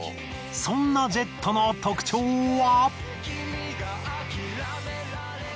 そんなジェットの特徴は。